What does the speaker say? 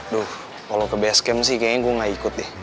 duh kalo ke basecamp sih kayaknya gue gak ikut deh